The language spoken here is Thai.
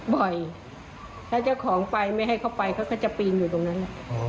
บ่อยถ้าเจ้าของไปไม่ให้เขาไปเขาก็จะปีนอยู่ตรงนั้น